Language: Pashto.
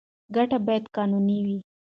ګټه باید قانوني وي.